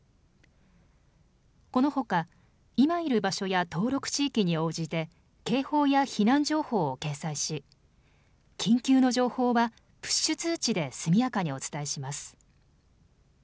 このほか今いる場所や登録地域に応じて警報や避難情報を掲載し緊急の情報はプッシュ通知で速やかにお伝えします。